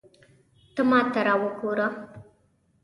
ته ماته را وګوره